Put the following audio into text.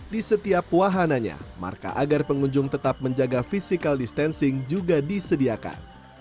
di setiap wahananya marka agar pengunjung tetap menjaga physical distancing juga disediakan